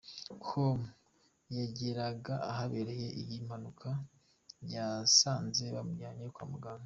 com yageraga ahabereye iyi mpanuka yasanze bamujyanye kwa muganga.